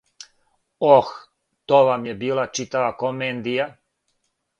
Ох, то вам је била читава комендија